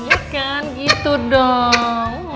ya kan gitu dong